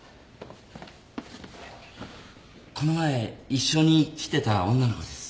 この前一緒に来てた女の子です。